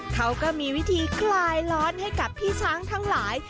เขาก็มีวิธีคลายร้อนให้กับพี่ช้างทั้งหลาย